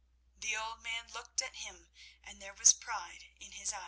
The old man looked at him, and there was pride in his eye.